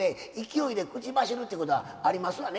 勢いで口走るっていうことはありますわね